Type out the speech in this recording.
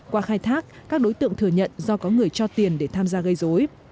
qua khai thác các đối tượng thừa nhận do có người cho tiền để tham gia gây dối